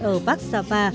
ở vác sa va